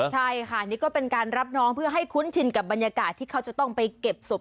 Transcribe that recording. ใช่ค่ะนี่ก็เป็นการรับน้องเพื่อให้คุ้นชินกับบรรยากาศที่เขาจะต้องไปเก็บศพ